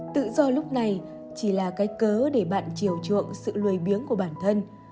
tự do lúc này chỉ là cách cớ để bạn chiều truộng sự lùi biếng của bản thân